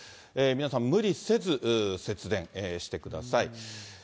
皆さん、無理せず節電してください。